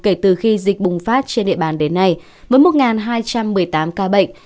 kể từ khi dịch bùng phát trên địa bàn đến nay với một hai trăm một mươi tám ca bệnh